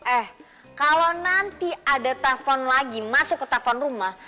eh kalo nanti ada telfon lagi masuk ke telfon rumah